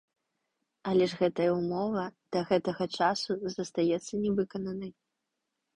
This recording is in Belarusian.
Але ж гэтая ўмова да гэтага часу застаецца не выкананай.